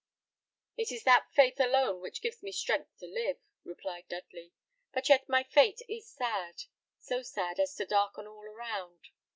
"It is that faith alone which gives me strength to live," replied Dudley; "but yet my fate is sad: so sad as to darken all around.